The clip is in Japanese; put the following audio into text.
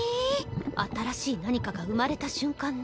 新しい何かが生まれた瞬間ね。